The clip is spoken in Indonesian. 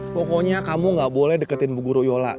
pokoknya kamu nggak boleh deketin bu guruyola